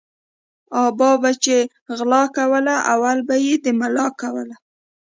ابا به چی غلا کوله اول به یی د ملا کوله